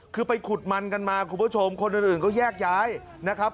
คือไปขุดมันกันมาคุณผู้ชมคนอื่นก็แยกย้ายนะครับ